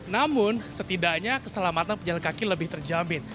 namun setidaknya keselamatan pejalan kaki lebih terjamin